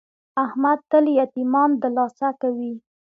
احمد تل یتمیان دلاسه کوي.